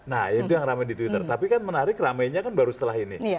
nah itu yang ramai di twitter tapi kan menarik ramainya kan baru setelah ini